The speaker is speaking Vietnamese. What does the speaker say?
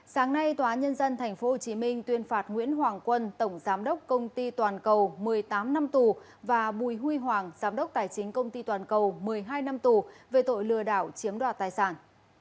sáng nay tòa nhân dân tp hcm tuyên phạt nguyễn hoàng quân tổng giám đốc công ty toàn cầu một mươi tám năm tù và bùi huy hoàng giám đốc tài chính công ty toàn cầu một mươi hai năm tù về tội lừa đảo chiếm đoạt tài sản